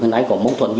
hôm nay có mâu thuẫn gì